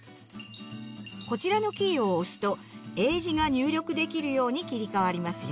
こちらのキーを押すと英字が入力できるように切り替わりますよ。